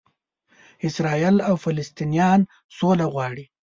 اسراییل او فلسطنینان سوله غواړي.